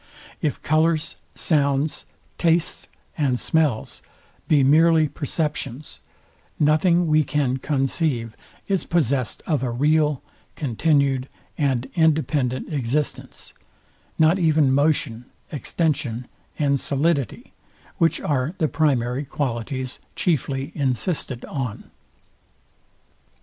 If colours, sounds, tastes, and smells be merely perceptions, nothing we can conceive is possest of a real, continued, and independent existence; not even motion, extension and solidity, which are the primary qualities chiefly insisted on.